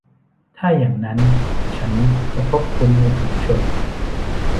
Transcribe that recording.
ถ้าอย่างนั้นฉันจะพบคุณในฝูงชน ?